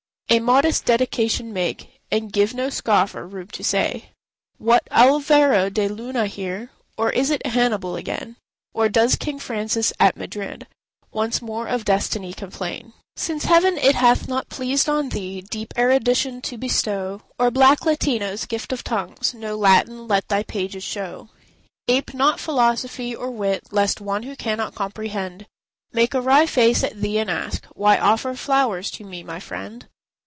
A modest dedication make, And give no scoffer room to say, "What! Álvaro de Luna here? Or is it Hannibal again? Or does King Francis at Madrid Once more of destiny complain?" Since Heaven it hath not pleased on thee Deep erudition to bestow, Or black Latino's gift of tongues, No Latin let thy pages show. Ape not philosophy or wit, Lest one who cannot comprehend, Make a wry face at thee and ask, "Why offer flowers to me, my friend?"